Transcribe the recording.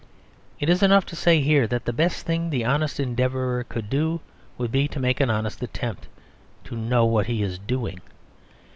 It is enough to say here that the best thing the honest Endeavourer could do would be to make an honest attempt to know what he is doing.